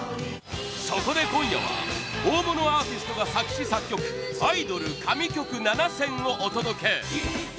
そこで、今夜は大物アーティストが作詞・作曲アイドル神曲７選をお届け！